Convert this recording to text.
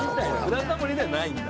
「ブラタモリ」じゃないんだ。